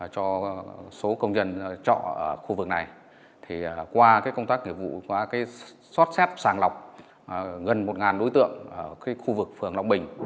cho số công nhân trọ ở khu vực này qua công tác nghiệp vụ qua xót xét sàng lọc gần một đối tượng ở khu vực phường long bình